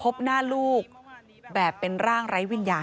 พบหน้าลูกแบบเป็นร่างไร้วิญญาณ